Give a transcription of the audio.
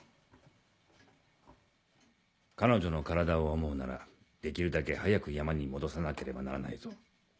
彼女の体を思うならできるだけ早く山に戻さなければならないぞ。